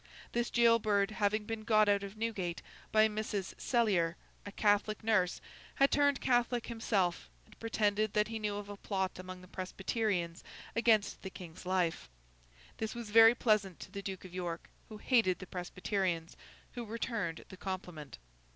This jail bird having been got out of Newgate by a Mrs. Cellier, a Catholic nurse, had turned Catholic himself, and pretended that he knew of a plot among the Presbyterians against the King's life. This was very pleasant to the Duke of York, who hated the Presbyterians, who returned the compliment.